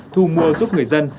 thu mua giúp người dân